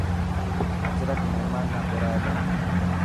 اجرڪ مهمان نا پيرائي تا.